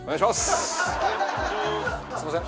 すみません。